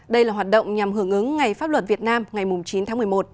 đây là hoạt động nhằm hưởng ứng ngày pháp luật việt nam ngày chín tháng một mươi một